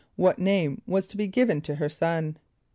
= What name was to be given to her son?